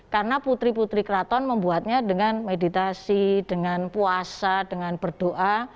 karena putri putri kraton membuatnya dengan meditasi dengan puasa dengan berdoa